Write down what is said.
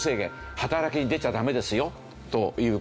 働きに出ちゃダメですよという事。